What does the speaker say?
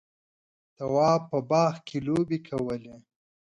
تواب په باغ کې لوبې کولې.